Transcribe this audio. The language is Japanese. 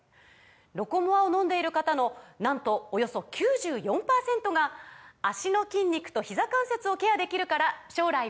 「ロコモア」を飲んでいる方のなんとおよそ９４％が「脚の筋肉とひざ関節をケアできるから将来も安心！」とお答えです